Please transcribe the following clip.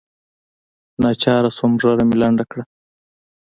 ناچاره سوم ږيره مې لنډه کړه.